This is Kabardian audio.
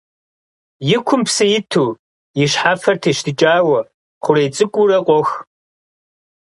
И кум псы иту, и щхьэфэр тещтыкӀауэ, хъурей цӀыкӀуурэ къох.